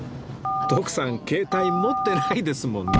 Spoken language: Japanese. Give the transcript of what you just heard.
徳さん携帯持ってないですもんね